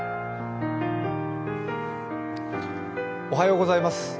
おはようございます。